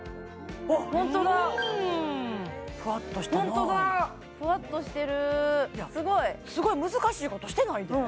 ホントだふわっとしてるすごい難しいことしてないで？